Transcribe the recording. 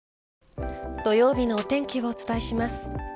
土曜日のお天気をお伝えします。